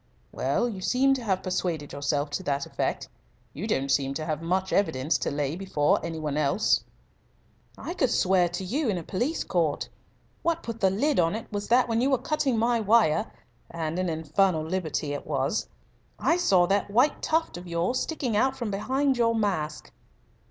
"Well, you seem to have persuaded yourself to that effect. You don't seem to have much evidence to lay before any one else." "I could swear to you in a police court. What put the lid on it was that when you were cutting my wire and an infernal liberty it was! I saw that white tuft of yours sticking out from behind your mask."